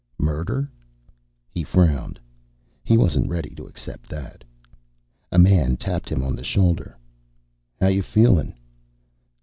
Murder? He frowned. He wasn't ready to accept that. A man tapped him on the shoulder. "How you feeling?"